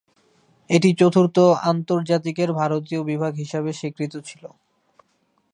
এটি চতুর্থ আন্তর্জাতিকের ভারতীয় বিভাগ হিসাবে স্বীকৃত ছিল।